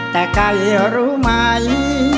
แต่ไก่รู้ไหม